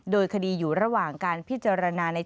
โดยคดีอยู่ระหว่างการพิจารณาใน